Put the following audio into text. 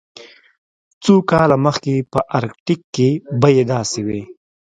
څو کاله مخکې په ارکټیک کې بیې داسې وې